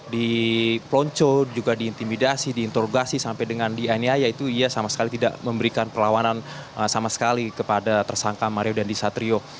dipelonco juga diintimidasi diinterogasi sampai dengan dianiaya itu ia sama sekali tidak memberikan perlawanan sama sekali kepada tersangka mario dandisatrio